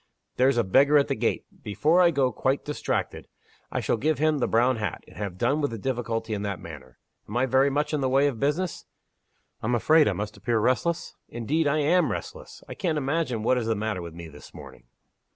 There's a beggar at the gate. Before I go quite distracted, I shall give him the brown hat, and have done with the difficulty in that manner. Am I very much in the way of business? I'm afraid I must appear restless? Indeed, I am restless. I can't imagine what is the matter with me this morning."